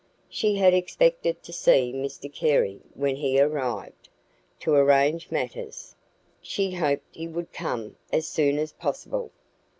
She had expected to see Mr Carey when he arrived, to arrange matters; she hoped he would come as soon as possible.